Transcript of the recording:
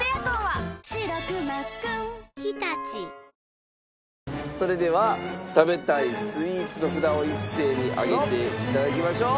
損保ジャパンそれでは食べたいスイーツの札を一斉に上げて頂きましょう。